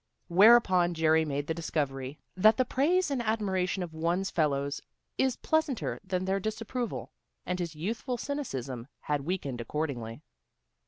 Whereupon Jerry made the discovery that the praise and admiration of one's fellows is pleasanter than their disapproval, and his youthful cynicism had weakened accordingly.